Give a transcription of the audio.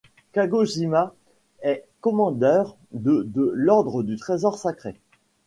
Kagoshima est commandeur de de l'ordre du Trésor sacré.